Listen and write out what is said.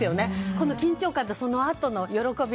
この緊張感とそのあとの喜び。